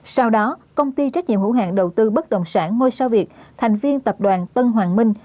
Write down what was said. sau đó công ty trách nhiệm hữu hạng đầu tư bất đồng sản ngôi sao việt thành viên tập đoàn tân hoàng minh